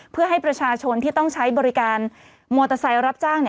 เพื่อให้ประชาชนที่ต้องใช้บริการมอเตอร์ไซค์รับจ้าง